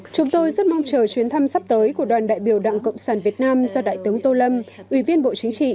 chúng tôi rất mong chờ chuyến thăm sắp tới của đoàn đại biểu đảng cộng sản việt nam do đại tướng tô lâm ủy viên bộ chính trị